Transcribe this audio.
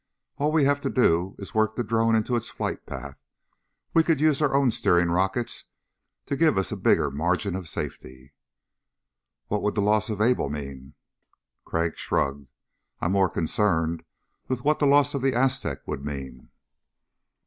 "All we'd have to do is work the drone into its flight path. We could use our own steering rockets to give us a bigger margin of safety." "What would the loss of Able mean?" Crag shrugged. "I'm more concerned with what the loss of the Aztec would mean."